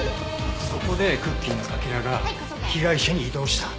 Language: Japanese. そこでクッキーのかけらが被害者に移動した。